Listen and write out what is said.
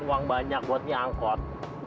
uang banyak buatnya angkot